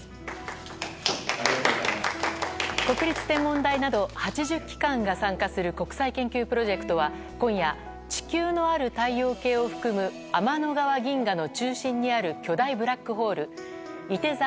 国立天文台など８０機関が参加する国際研究プロジェクトは今夜地球のある太陽系を含む天の川銀河の中心にある巨大ブラックホールいて座Ａ